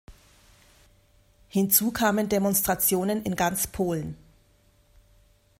Hinzu kamen Demonstrationen in ganz Polen.